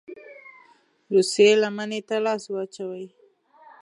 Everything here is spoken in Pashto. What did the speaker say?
روسيې لمني ته لاس واچوي.